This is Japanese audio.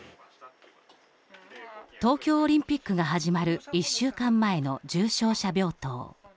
東京オリンピックが始まる１週間前の重症者病棟。